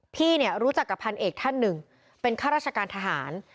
พี่เนี่ยรู้จักกับพันเอกท่านหนึ่งเป็นข้าราชการทหาร